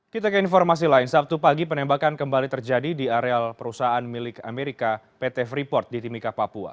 kita ke informasi lain sabtu pagi penembakan kembali terjadi di areal perusahaan milik amerika pt freeport di timika papua